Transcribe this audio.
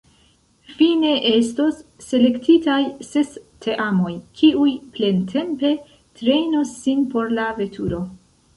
Fine estos selektitaj ses teamoj, kiuj plentempe trejnos sin por la veturo.